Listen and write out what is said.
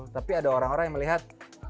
tapi ada orang orang yang melihat